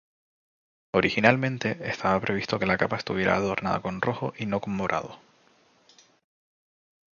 Originalmente, estaba previsto que la capa estuviera adornada con rojo y no con morado.